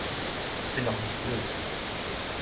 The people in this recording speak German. Ich bin doch nicht blöd.